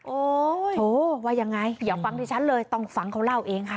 โอ้โหว่ายังไงเดี๋ยวฟังดิฉันเลยต้องฟังเขาเล่าเองค่ะ